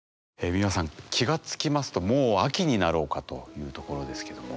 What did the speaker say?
美輪さん気が付きますともう秋になろうかというところですけども。